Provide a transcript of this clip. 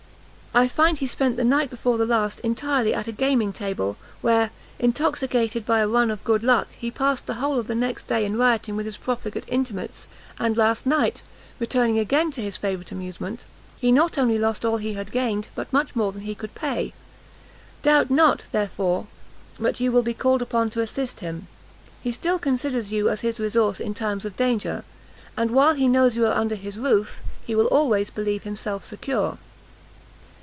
I find he spent the night before the last entirely at a gaming table, where, intoxicated by a run of good luck, he passed the whole of the next day in rioting with his profligate intimates, and last night, returning again to his favourite amusement, he not only lost all he had gained, but much more than he could pay. Doubt not, therefore, but you will be called upon to assist him; he still considers you as his resource in times of danger, and while he knows you are under his roof, he will always believe himself secure."